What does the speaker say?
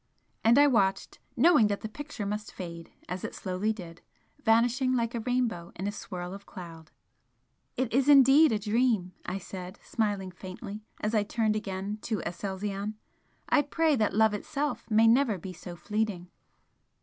And I watched, knowing that the picture must fade, as it slowly did, vanishing like a rainbow in a swirl of cloud. "It is indeed a 'Dream'!" I said, smiling faintly, as I turned again to Aselzion "I pray that love itself may never be so fleeting!"